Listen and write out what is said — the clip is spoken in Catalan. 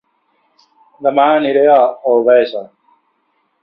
Dema aniré a Albesa